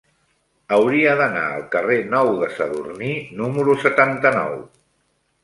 Hauria d'anar al carrer Nou de Sadurní número setanta-nou.